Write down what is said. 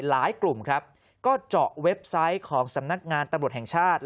กลุ่มครับก็เจาะเว็บไซต์ของสำนักงานตำรวจแห่งชาติ